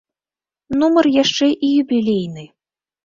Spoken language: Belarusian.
Нумар яшчэ і юбілейны.